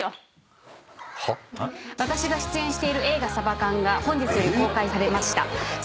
私が出演している映画『サバカン』が本日公開されました。